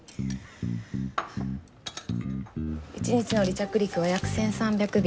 一日の離着陸は約１３００便。